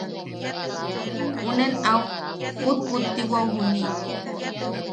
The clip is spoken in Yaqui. Unen auk pupputiwao juniʼi.